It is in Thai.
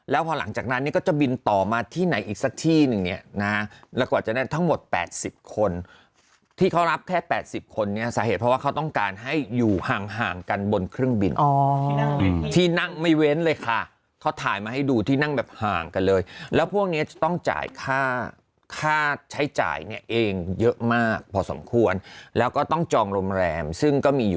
แล้วพอหลังจากนั้นเนี่ยก็จะบินต่อมาที่ไหนอีกสักที่หนึ่งเนี่ยนะแล้วกว่าจะได้ทั้งหมด๘๐คนที่เขารับแค่๘๐คนเนี่ยสาเหตุเพราะว่าเขาต้องการให้อยู่ห่างกันบนเครื่องบินที่นั่งไม่เว้นเลยค่ะเขาถ่ายมาให้ดูที่นั่งแบบห่างกันเลยแล้วพวกเนี้ยจะต้องจ่ายค่าค่าใช้จ่ายเนี่ยเองเยอะมากพอสมควรแล้วก็ต้องจองโรงแรมซึ่งก็มีอยู่